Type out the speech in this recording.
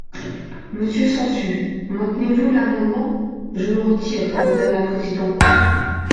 Monsieur Sansu, maintenez-vous l’amendement ? Je le retire, madame la présidente.